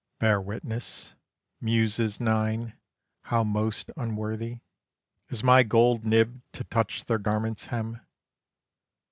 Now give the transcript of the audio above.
Bear witness, Muses Nine, how most unworthy Is my gold nib to touch their garment's hem.